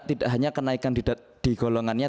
tidak hanya kenaikan di golongannya